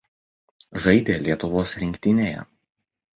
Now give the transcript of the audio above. Žaidė Lietuvos rinktinėje.